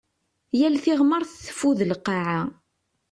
Yal tiɣmert teffud lqaɛa.